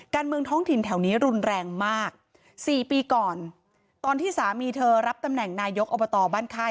การเมืองท้องถิ่นแถวนี้รุนแรงมากสี่ปีก่อนตอนที่สามีเธอรับตำแหน่งนายกอบตบ้านค่าย